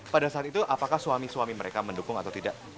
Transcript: pada saat itu apakah suami suami mereka mendukung atau tidak